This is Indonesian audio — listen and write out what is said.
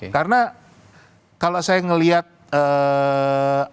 karena kalau saya ngeliat artikel